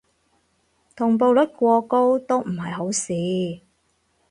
同步率過高都唔係好事